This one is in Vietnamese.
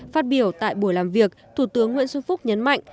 phát biểu tại buổi làm việc thủ tướng nguyễn xuân phúc nhấn mạnh